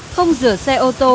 không rửa xe ô tô